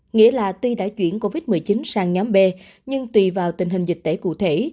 nghĩa là tuy đã chuyển covid một mươi chín sang nhóm b nhưng tùy vào tình hình dịch tễ cụ thể